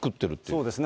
そうですね。